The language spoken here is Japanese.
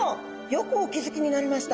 よくお気付きになりました。